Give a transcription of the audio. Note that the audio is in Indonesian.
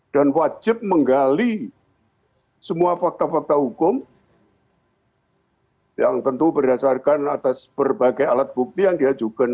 wajib menggali semua fakta fakta hukum yang tentu berdasarkan atas berbagai alat bukti yang diajukan